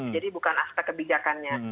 jadi bukan aspek kebijakannya